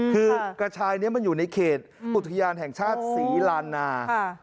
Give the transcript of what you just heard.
คือกระชายนี้มันอยู่ในเขตอุทยานแห่งชาติศรีลานา